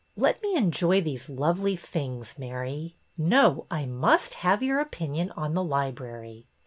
Let me enjoy these lovely things, Mary." No, I must have your opinion on the library."